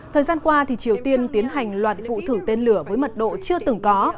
thời gian qua triều tiên tiến hành loạt vụ thử tên lửa với mật độ chưa từng có